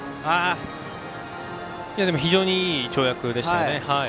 非常にいい跳躍でしたね。